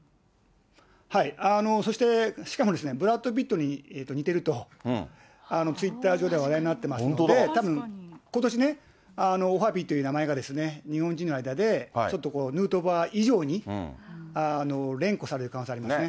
そして、しかもですね、ブラッド・ピットに似てると、ツイッター上では話題になってますので、たぶん、ことしね、オハピーという名前が、日本人の間で、ちょっとヌートバー以上に、連呼される可能性ありますね。